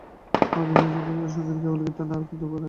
আমাদের দেশের যথার্থ সঙ্গীত কেবল কীর্তনে আর ধ্রুপদে আছে।